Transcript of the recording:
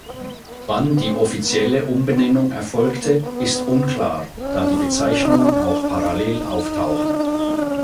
Wann die offizielle Umbenennung erfolgte, ist unklar, da die Bezeichnungen auch parallel auftauchen.